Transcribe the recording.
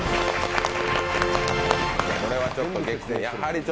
これはちょっと激戦。